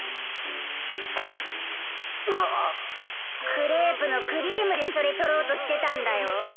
クレープのクリームでそれ取ろうとしてたんだよ。